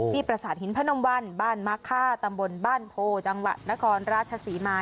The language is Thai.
ประสาทหินพนมวันบ้านมะค่าตำบลบ้านโพจังหวัดนครราชศรีมา